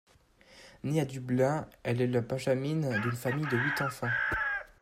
Née à Dublin, elle est la benjamine d'une famille de huit enfants.